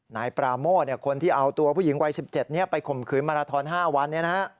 นายปราโมทคนที่เอาตัวผู้หญิงวัย๑๗นี้ไปข่มขืนมาราทอน๕วันนี้นะฮะ